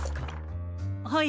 はい。